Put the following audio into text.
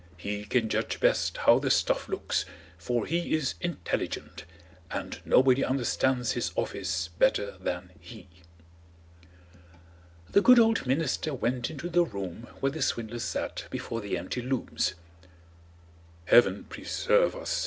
"He can judge best how the stuff looks, for he is intelligent, and nobody understands his office better than he." The good old minister went into the room where the swindlers sat before the empty looms. "Heaven preserve us!"